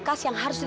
bahwa pak prabu